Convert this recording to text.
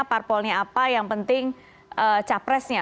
parpolnya apa yang penting capresnya